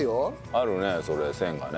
あるねそれ線がね。